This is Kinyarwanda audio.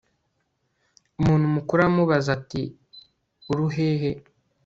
umuntu mukuru aramubaza ati uruhehe